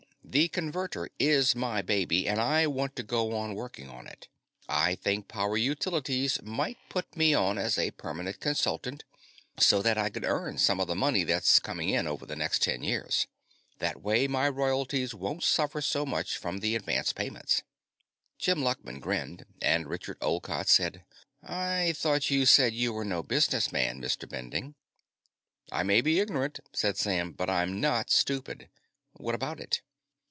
"The Converter is my baby, and I want to go on working on it. I think Power Utilities might put me on as a permanent consultant, so that I could earn some of the money that's coming in over the next ten years. That way, my royalties won't suffer so much from the advance payments." Jim Luckman grinned, and Richard Olcott said: "I thought you said you were no businessman, Mr. Bending." "I may be ignorant," said Sam, "but I'm not stupid. What about it?"